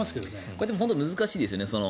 これはでも本当に難しいですよね。